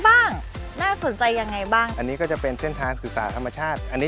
ข้างหลังนะคะอันนี้คือเมธรรมไผ่